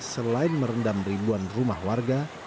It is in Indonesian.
selain merendam ribuan rumah warga